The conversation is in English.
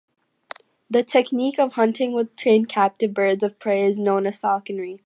The technique of hunting with trained captive birds of prey is known as falconry.